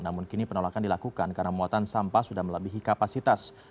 namun kini penolakan dilakukan karena muatan sampah sudah melebihi kapasitas